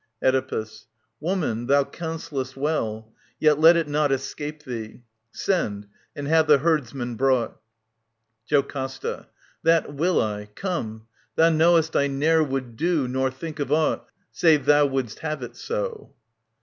Oedipus. Woman, thou counsellest well. Yet let it not Escape thee. Send and have the herdsman brought. JOCASTA. That will I. — Come. Thou knowest I ne'er would do Nor think of aught, save thou wouldst have it so.